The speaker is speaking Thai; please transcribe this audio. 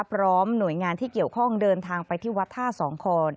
พร้อมหน่วยงานที่เกี่ยวข้องเดินทางไปที่วัดท่าสองคอน